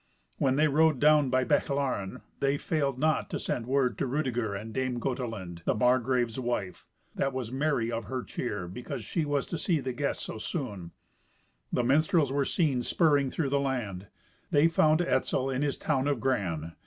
When they rode down by Bechlaren, they failed not to send word to Rudeger and Dame Gotelind, the Margrave's wife, that was merry of her cheer because she was to see the guests so soon. The minstrels were seen spurring through the land. They found Etzel in his town of Gran.